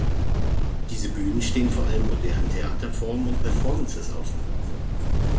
Diese Bühnen stehen vor allem modernen Theaterformen und Performances offen.